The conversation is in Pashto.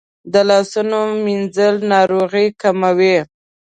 د لاسونو مینځل ناروغۍ کموي.